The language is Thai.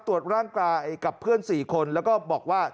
ตรวจร่างกายกับเพื่อน๔คนแล้วก็บอกว่า